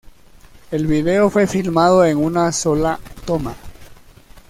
El video fue filmado en una sola toma.